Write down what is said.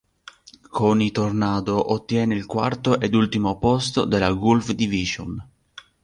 Con i "Tornado" ottiene il quarto ed ultimo posto della Gulf Division.